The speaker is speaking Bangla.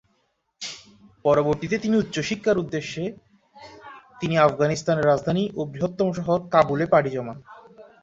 পরবর্তীতে তিনি উচ্চ শিক্ষার উদ্দেশ্যে তিনি আফগানিস্তানের রাজধানী ও বৃহত্তম শহর কাবুলে পাড়ি জমান।